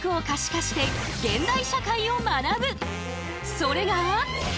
それが。